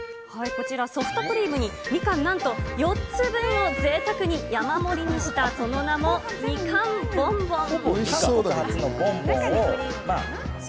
こちら、ソフトクリームにみかん、なんと４つ分をぜいたくに山盛りにした、その名もみかんボンボン。